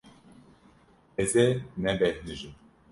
Ez ê nebêhnijim.